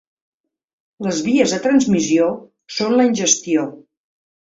Les vies de transmissió són la ingestió.